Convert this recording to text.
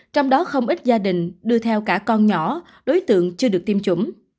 trong đó không ít gia đình đưa theo cả con nhỏ đối tượng chưa được tiêm chủng